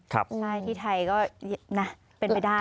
ใช่ที่ไทยก็นะเป็นไปได้